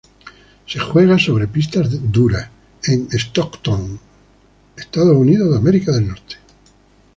Se juega sobre pistas de dura, en Stockton, Estados Unidos.